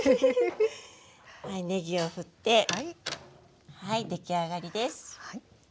ねぎを振ってはい出来上がりです。